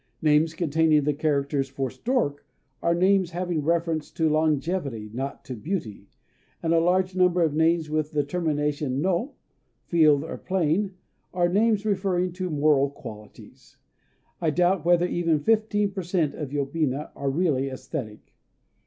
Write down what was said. Names containing the character for "Stork" are names having reference to longevity, not to beauty; and a large number of names with the termination "no" (field or plain) are names referring to moral qualities. I doubt whether even fifteen per cent of yobina are really æsthetic.